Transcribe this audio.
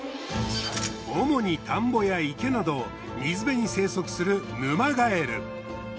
主に田んぼや池など水辺に生息するヌマガエル。